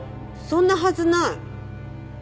そんなはずない！